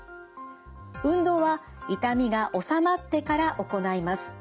運動は痛みが治まってから行います。